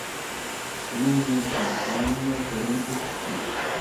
شۇنىڭ بىلەن تەڭ تورنىڭمۇ ھۆرمىتى چۈشتى.